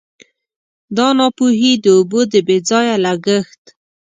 دا ناپوهي د اوبو د بې ځایه لګښت.